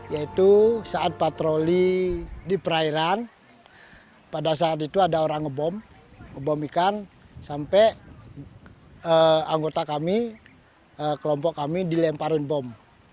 yaitu saat patroli di perairan pada saat itu ada orang ngebom ikan sampai anggota kami kelompok kami dilemparin bom